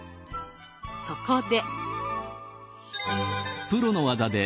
そこで。